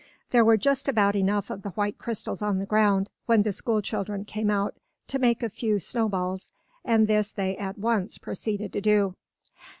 There were just about enough of the white crystals on the ground, when the school children came out to make a few snowballs, and this they at once proceeded to do.